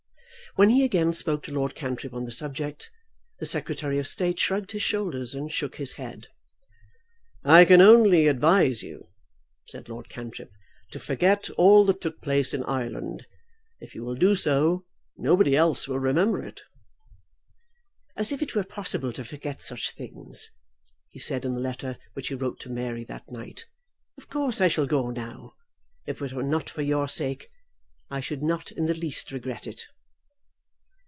When he again spoke to Lord Cantrip on the subject, the Secretary of State shrugged his shoulders and shook his head. "I can only advise you," said Lord Cantrip, "to forget all that took place in Ireland. If you will do so, nobody else will remember it." "As if it were possible to forget such things," he said in the letter which he wrote to Mary that night. "Of course I shall go now. If it were not for your sake, I should not in the least regret it."